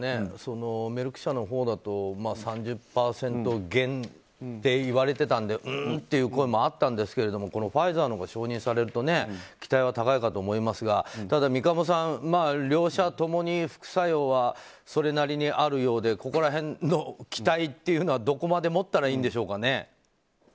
メルク社のほうだと３０％減と言われていたのでうーんという声もあったんですがファイザーのほうが承認されると期待は高いかと思いますがただ三鴨さん両社ともに副作用はそれなりにあるようでここら辺の期待というのはどこまで持ったらいいんでしょうかね？